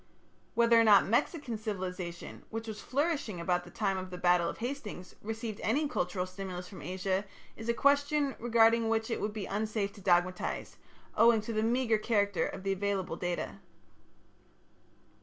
Whether or not Mexican civilization, which was flourishing about the time of the battle of Hastings, received any cultural stimulus from Asia is a question regarding which it would be unsafe to dogmatize, owing to the meagre character of the available data.